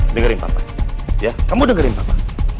dengerin papa ya kamu dengerin bapak